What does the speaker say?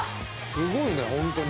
すごいねホントに。